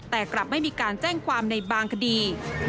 แต่กลับไม่มีการแจ้งความในบางคดี